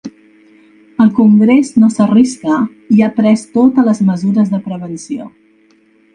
El congrés no s’arrisca i ha pres totes les mesures de prevenció.